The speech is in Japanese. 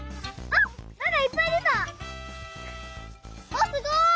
あっすごい！